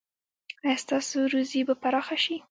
ایا ستاسو روزي به پراخه شي؟